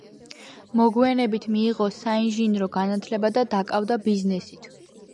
მოგვიანებით მიიღო საინჟინრო განათლება და დაკავდა ბიზნესით.